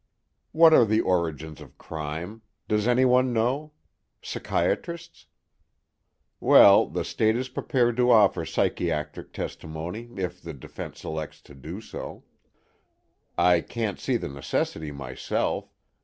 "What are the origins of crime? Does anyone know? Psychiatrists? Well, the State is prepared to offer psychiatric testimony, if the defense elects to do so. I can't see the necessity myself.